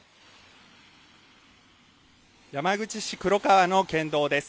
山口市黒川の県道です。